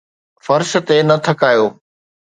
فرش تي نه ٿڪايو